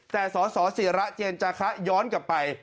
แต่สสิระเจนจาคะย้อนกลับไป